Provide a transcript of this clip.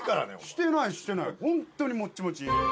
してないしてないホントにモッチモチ。